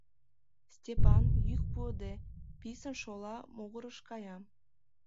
Степан, йӱк пуыде, писын шола могырыш кая.